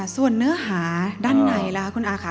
ส่วนเนื้อหาด้านในล่ะคุณอาค่ะ